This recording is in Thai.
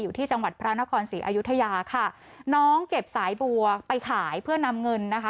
ที่จังหวัดพระนครศรีอยุธยาค่ะน้องเก็บสายบัวไปขายเพื่อนำเงินนะคะ